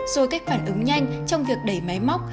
rồi cách phản ứng nhanh trong việc đẩy máy móc